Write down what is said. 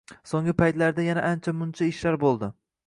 So`nggi paytlarda yana ancha-mugncha ishlar bo`ldi